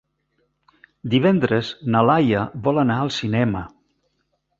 Divendres na Laia vol anar al cinema.